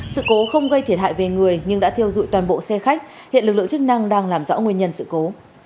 sự cố không gây thiệt hại về người nhưng đã thiêu dụi toàn bộ xe khách hiện lực lượng chức năng đang làm rõ nguyên nhân sự cố